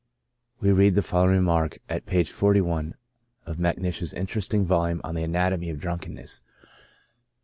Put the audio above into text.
We read the following remark at page 41 of Macnish's interesting volume on the " Anatomy of Drunkenness."